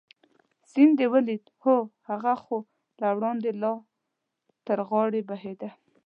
سیند دې ولید؟ هو، هغه خو له وړاندې لا تر غاړې بهېده.